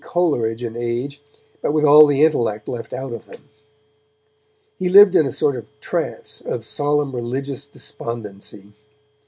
Coleridge in age, but with all the intellect left out of them. He lived in a sort of trance of solemn religious despondency.